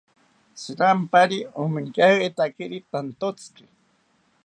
Shirampari omonkeitakiri tantotziki